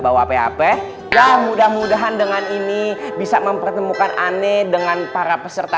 bawa hp hp mudah mudahan dengan ini bisa mempertemukan aneh dengan para peserta